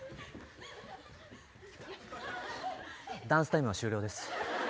ダンスタイムは終了です。